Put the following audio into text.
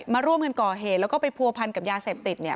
มาร่วมกันก่อเหตุแล้วก็ไปผัวพันกับยาเสพติดเนี่ย